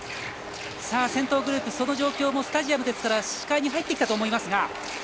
先頭グループ、その状況もスタジアムですから視界に入ってきたと思います。